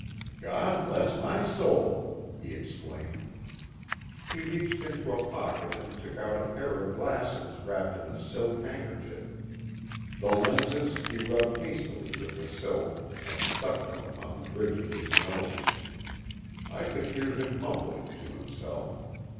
"God bless my soul!" he exclaimed. He reached into a pocket and took out a pair of glasses wrapped in a silk handkerchief. The lenses he rubbed hastily with the silk, and stuck them upon the bridge of his nose. I could hear him mumbling to himself.